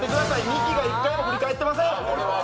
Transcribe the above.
ミキが１回も振り返ってません！